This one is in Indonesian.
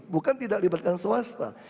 bukan tidak libatkan swasta